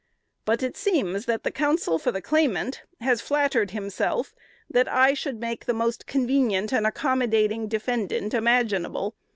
"But it seems that the counsel for the claimant has flattered himself that I should make the most convenient and accommodating defendant imaginable.